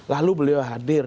lalu beliau hadir